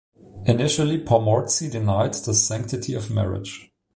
Initially Pomortsy denied the sanctity of marriage.